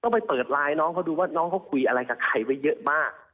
ไปเปิดไลน์น้องเขาดูว่าน้องเขาคุยอะไรกับใครไว้เยอะมาก